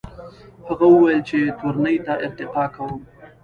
هغه وویل چې تورنۍ ته ارتقا کوم.